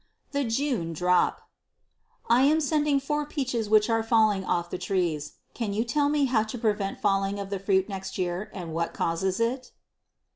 The "June Drop." I am sending four peaches which are falling off the trees. Can you tell me how to prevent falling of the fruit next year and what causes it?